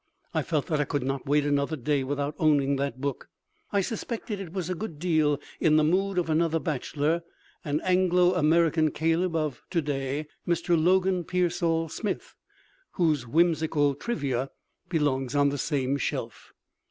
I felt that I could not wait another day without owning that book. I suspected it was a good deal in the mood of another bachelor, an Anglo American Caleb of to day Mr. Logan Pearsall Smith, whose whimsical "Trivia" belongs on the same shelf.